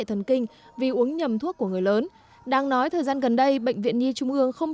thần kinh vì uống nhầm thuốc của người lớn đang nói thời gian gần đây bệnh viện nhi trung ương không